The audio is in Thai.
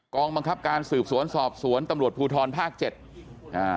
องบังคับการสืบสวนสอบสวนตำรวจภูทรภาคเจ็ดอ่า